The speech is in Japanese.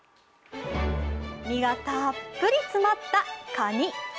身がたっぷり詰まったかに。